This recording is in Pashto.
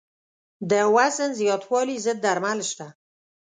د وزن زیاتوالي ضد درمل شته.